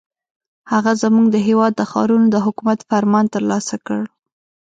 هغه زموږ د هېواد د ښارونو د حکومت فرمان ترلاسه کړ.